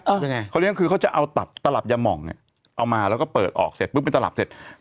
ยังไงเขาเลี้ยงคือเขาจะเอาตัดตลับยาหม่องเนี้ยเอามาแล้วก็เปิดออกเสร็จปุ๊บเป็นตลับเสร็จ